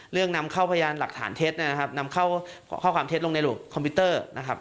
เรื่องนำเข้าพยานหลักฐานเท็จนำเข้าความเท็จลงในหลวงคอมพิวเตอร์